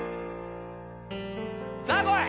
さあこい！